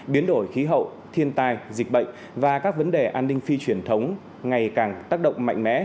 biến đổi khí hậu thiên tai dịch bệnh và các vấn đề an ninh phi truyền thống ngày càng tác động mạnh mẽ